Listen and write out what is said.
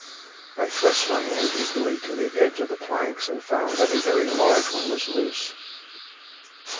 I thrust my hand eagerly to the edge of the planks, and found that a very large one was loose.